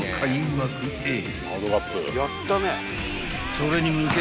［それに向け］